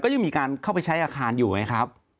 ยังมีการเข้าไปใช้อาคารอยู่ไงครับ